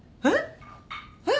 えっ？